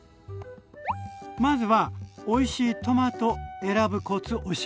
まずはおいしいトマト選ぶコツ教えて下さい。